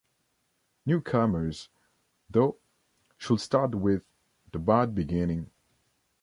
Newcomers, though, should start with "The Bad Beginning".